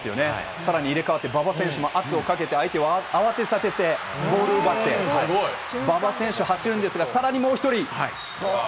さらに入れ替わって、馬場選手も圧をかけて、相手を慌てさせてボールを奪って、馬場選手、走るんですが、さらにもうひとり。